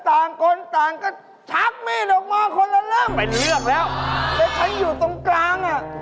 แต่ฉันอยู่ตรงกลาง